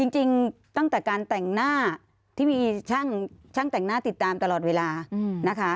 จริงตั้งแต่การแต่งหน้าที่มีช่างแต่งหน้าติดตามตลอดเวลานะคะ